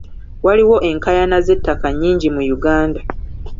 Waliwo enkaayana z'ettaka nnyingi mu Uganda.